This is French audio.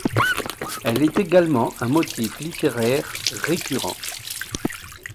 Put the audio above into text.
Elle est également un motif littéraire récurrent.